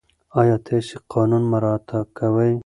آیا تاسې قانون مراعات کوئ؟